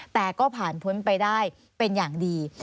แต่ก็ผ่านพ้นไปได้เป็นอย่างดี